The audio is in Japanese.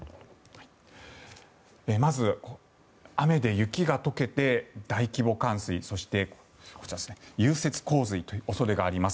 まず、雨で雪が解けて大規模冠水そしてこちら、融雪洪水という恐れがあります。